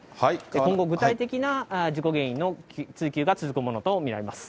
今後具体的な事故原因の追求が続くものと見られます。